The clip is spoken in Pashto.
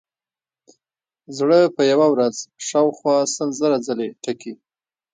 زړه په یوه ورځ شاوخوا سل زره ځلې ټکي.